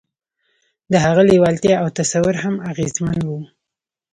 د هغه لېوالتیا او تصور هم اغېزمن وو